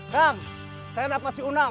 kak saya dapat masih unang